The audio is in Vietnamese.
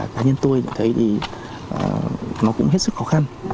cá nhân tôi thấy thì nó cũng hết sức khó khăn